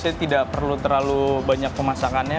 biasanya tidak perlu terlalu banyak pemasakannya